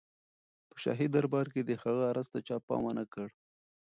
په شاهي دربار کې د هغه عرض ته چا پام ونه کړ.